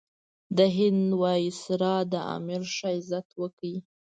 د هند وایسرا د امیر ښه عزت وکړ.